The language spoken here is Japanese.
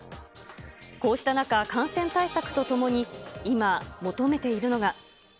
こうした中、感染対策とともに、今、求めているのが。